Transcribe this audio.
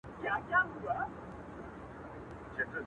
یوه ورځ صحرايي راغی پر خبرو؛